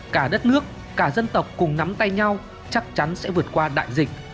cả đất nước cả dân tộc cùng nắm tay nhau chắc chắn sẽ vượt qua đại dịch